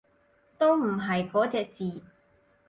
都唔係嗰隻字